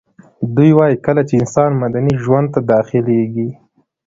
دوی وايي کله چي انسان مدني ژوند ته داخليږي